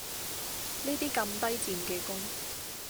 呢啲咁低賤嘅工